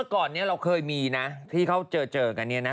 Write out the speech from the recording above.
ก่อนนี้เราเคยมีนะที่เขาเจอกันเนี่ยนะ